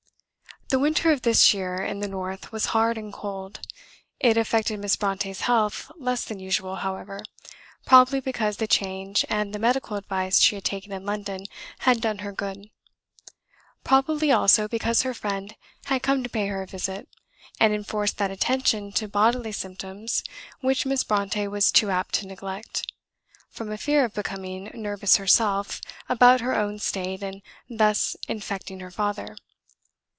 The winter of this year in the north was hard and cold; it affected Miss Brontë's health less than usual, however, probably because the change and the medical advice she had taken in London had done her good; probably, also, because her friend had come to pay her a visit, and enforced that attention to bodily symptoms which Miss Brontë was too apt to neglect, from a fear of becoming nervous herself about her own state and thus infecting her father.